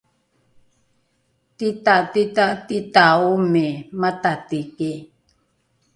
tita tita tita omi matatiki